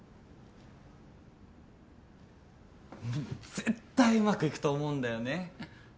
絶対うまくいくと思うんだよね。